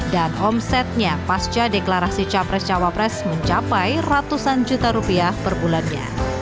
dan omsetnya pasca deklarasi capres cawapres mencapai ratusan juta rupiah per bulannya